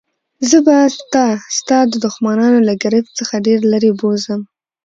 زه به تا ستا د دښمنانو له ګرفت څخه ډېر لیري بوزم.